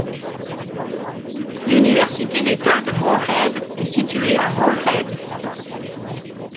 L'université d'État de Morehead est située à Morehead.